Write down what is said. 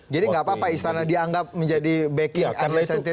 jadi gak apa apa istana dianggap menjadi backing ahli sentinel